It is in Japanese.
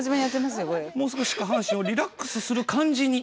もう少し下半身をリラックスする感じに。